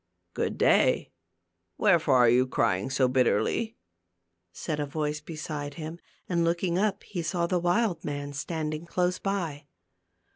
" Good day ; wherefore are you crying so bit terly ?" said a voice beside him, and looking up, he saw the wild man standing close by.